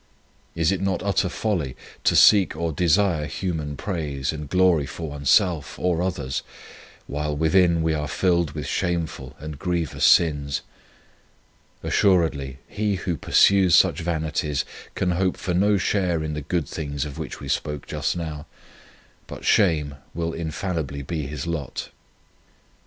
Is it not utter folly to seek or desire human praise and glory for oneself or others, while within we are filled with shameful and grievous sins ? Assuredly he who pursues such vanities can hope for no share in the good things of which we spoke just now, but shame will infallibly be his lot.